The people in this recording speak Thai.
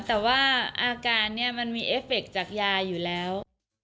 แต่ว่าอาการเนี่ยมันมีเอฟเฟคจากยาอยู่แล้ว